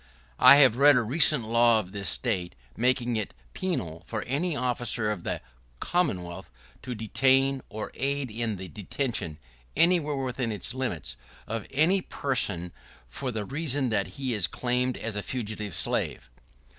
[¶7] I have read a recent law of this State, making it penal for any officer of the "Commonwealth" to "detain or aid in the… detention," anywhere within its limits, "of any person, for the reason that he is claimed as a fugitive slave."